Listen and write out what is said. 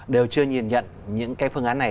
đều chưa nhìn nhận những cái phương án này